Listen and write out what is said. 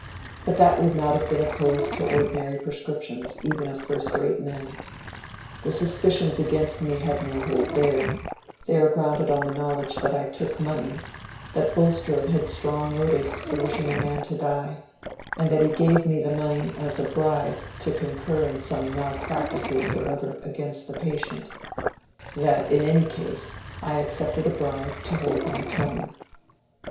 But that would not have been opposed to ordinary prescriptions, even of first rate men. The suspicions against me had no hold there: they are grounded on the knowledge that I took money, that Bulstrode had strong motives for wishing the man to die, and that he gave me the money as a bribe to concur in some malpractices or other against the patient—that in any case I accepted a bribe to hold my tongue.